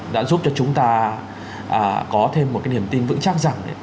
đã giúp cho chúng ta có thêm một cái niềm tin vững chắc rằng